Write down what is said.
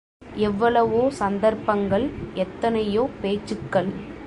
எவ்வளவோ சந்தர்ப்பங்கள் எத்தனையோ பேச்சுக்கள்.